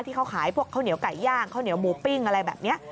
ที่เขาขายพวกข้าวเหนียวไก่ย่างข้าวเหนียวหมูปิ้งอะไรแบบนี้